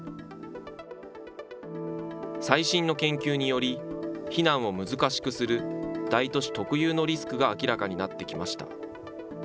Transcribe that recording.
最新の研究により、避難を難しくする大都市特有のリスクが明らかになってきました。